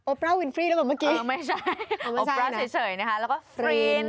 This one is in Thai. โอปร่าฟรีนฟรีนแล้วเหมือนเมื่อกี้ไม่ใช่โอปร่าเฉยนะคะแล้วก็ฟรีน